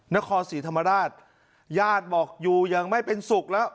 ณคศรีธรรมดาทแย่ตบอกอยู่ยังไม่เป็นสุขแล้ว